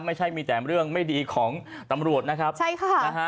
ไม่ใช่มีแต่เรื่องไม่ดีของตำรวจนะครับใช่ค่ะนะฮะ